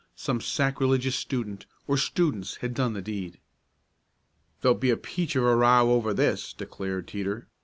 Some sacrilegious student, or students, had done the deed. "There'll be a peach of a row over this!" declared Teeter.